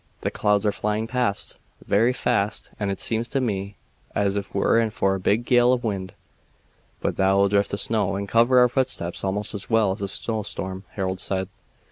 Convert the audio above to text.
The clouds are flying past very fast, and it seems to me as ef we're in for a big gale of wind." "But that will drift the snow and cover our footsteps almost as well as a snowstorm," Harold said.